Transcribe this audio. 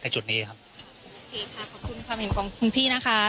จุดนี้ครับโอเคค่ะขอบคุณความเห็นของคุณพี่นะคะ